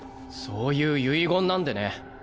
そういう遺言なんでね。